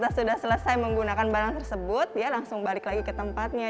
kalau kita sudah selesai menggunakan barang tersebut dia langsung balik lagi ke tempatnya